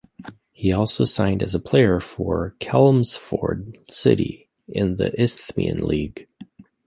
He has also signed as a player for Chelmsford City in the Isthmian League.